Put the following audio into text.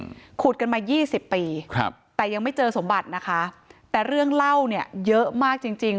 อืมขุดกันมายี่สิบปีครับแต่ยังไม่เจอสมบัตินะคะแต่เรื่องเล่าเนี้ยเยอะมากจริงจริง